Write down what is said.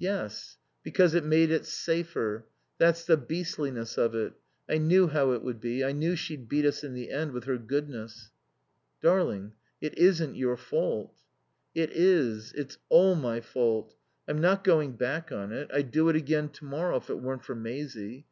"Yes. Because it made it safer. That's the beastliness of it. I knew how it would be. I knew she'd beat us in the end with her goodness." "Darling, it isn't your fault." "It is. It's all my fault. I'm not going back on it. I'd do it again to morrow if it weren't for Maisie.